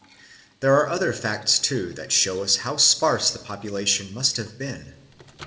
} There are other facts too that show us how sparse the population must have been.